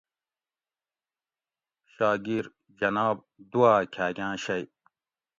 شاگیر: جناب ! دواۤ کھاۤگاۤں شئ